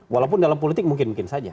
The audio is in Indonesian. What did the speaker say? walaupun dalam politik mungkin mungkin saja